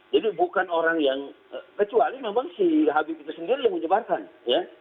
jadi bukan orang yang kecuali memang si habib itu sendiri yang menyebarkan ya